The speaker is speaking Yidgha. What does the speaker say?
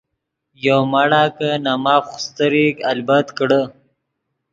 یو مڑا کہ نے ماف خوستریک البت کڑے۔